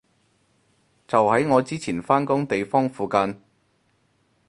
就喺我之前返工地方附近